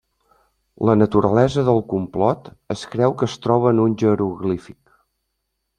La naturalesa del complot es creu que es troba en un jeroglífic.